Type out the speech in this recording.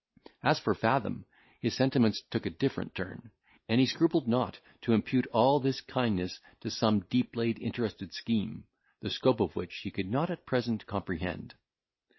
As for Fathom, his sentiments took a different turn; and he scrupled not to impute all this kindness to some deep laid interested scheme, the scope of which he could not at present comprehend.